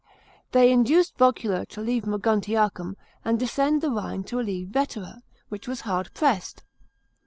They induced Vocnla to leave Moguntiacum, and descend the Rhine to relieve Vetera, which was hard pressed.